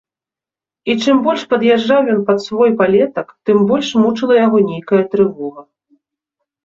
І чым больш пад'язджаў ён пад свой палетак, тым больш мучыла яго нейкая трывога.